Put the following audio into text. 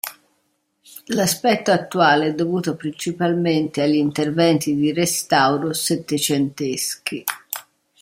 L'aspetto attuale è dovuto principalmente agli interventi di restauro settecenteschi.